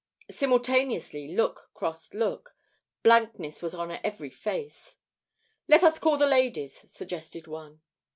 Simultaneously look crossed look. Blankness was on every face. "Let us call the ladies," suggested one.